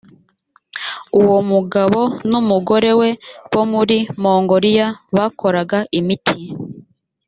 uwo mugabo n’ umugore we bo muri mongoliya bakoraga imiti.